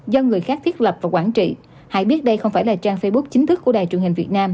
do người khác thiết lập và quản trị hãy biết đây không phải là trang facebook chính thức của đài truyền hình việt nam